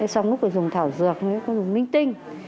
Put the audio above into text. xong rồi cô dùng thảo dược cô dùng minh tinh